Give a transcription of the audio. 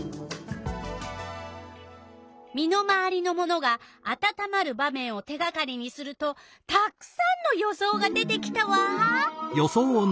身の回りのものがあたたまる場面を手がかりにするとたくさんの予想が出てきたわ！